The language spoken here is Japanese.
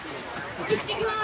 行ってきます。